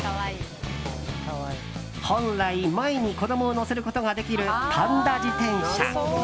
本来、前に子供を乗せることができるパンダ自転車。